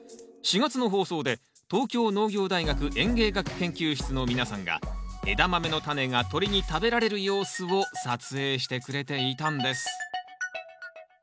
４月の放送で東京農業大学園芸学研究室の皆さんがエダマメのタネが鳥に食べられる様子を撮影してくれていたんです。